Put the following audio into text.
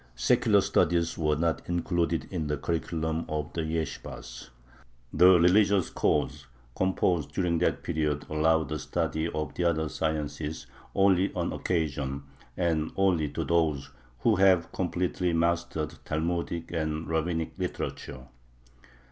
Secular studies were not included in the curriculum of the yeshibahs. The religious codes composed during that period allow the study of "the other sciences" only "on occasion," and only to those who have completely mastered Talmudic and rabbinic literature.